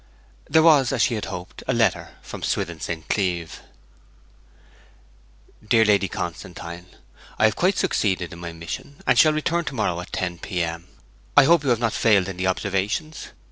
There was, as she had hoped, a letter from Swithin St. Cleeve. 'DEAR LADY CONSTANTINE, I have quite succeeded in my mission, and shall return to morrow at 10 p.m. I hope you have not failed in the observations.